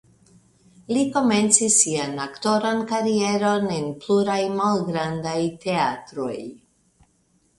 Li komencis sian aktoran karieron en pluraj malgrandaj teatroj.